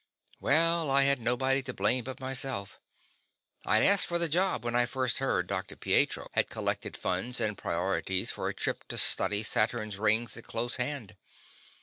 Well, I had nobody to blame but myself. I'd asked for the job when I first heard Dr. Pietro had collected funds and priorities for a trip to study Saturn's rings at close hand.